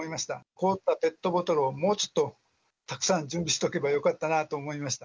凍ったペットボトルをもうちょっとたくさん準備しとけばよかったなと思いました。